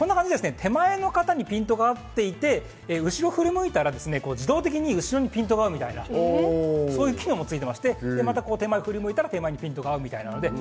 手前の方にピントが合っていて、後ろに振り向いたら、自動的に後ろにピントが合うみたいな、そんな機能もついてまして、また手前に振り向いたら手前にピントが合うと。